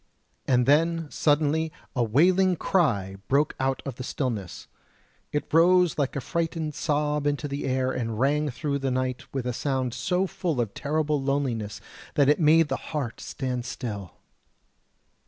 And then, suddenly, a wailing cry broke out of the stillness; it rose like a frightened sob into the air and rang through the night with a sound so full of terrible loneliness that it made the heart stand still.